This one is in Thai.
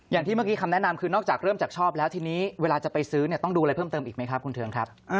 อย่างที่เมื่อกี้คำแนะนำคือนอกจากเริ่มจากชอบแล้วทีนี้เวลาจะไปซื้อเนี่ยต้องดูอะไรเพิ่มเติมอีกไหมครับคุณเทิงครับ